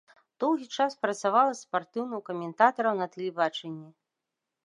Доўгі час працавала спартыўным каментатарам на тэлебачанні.